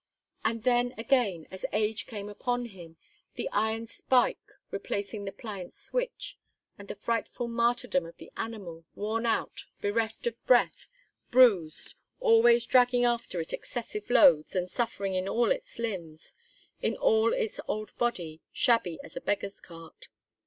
And then, again, as age came upon him, the iron spike replacing the pliant switch; and the frightful martyrdom of the animal, worn out, bereft of breath, bruised, always dragging after it excessive loads, and suffering in all its limbs, in all its old body, shabby as a beggar's cart.